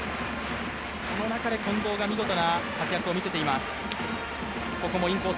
その中で近藤が見事な活躍を見せています。